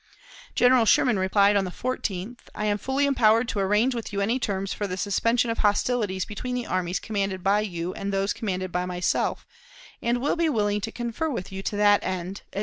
General Sherman replied, on the 14th: "I am fully empowered to arrange with you any terms for the suspension of hostilities between the armies commanded by you and those commanded by myself, and will be willing to confer with you to that end," etc.